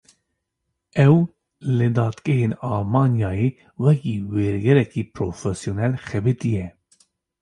Ew, li dadgehên Almanyayê, wekî wergêrekî profesyonel xebitiye